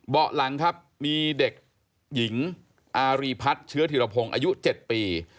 เบาะหลังครับมีเด็กหญิงอารีพัฒน์เชื้อธิรพงศ์อายุ๗ปี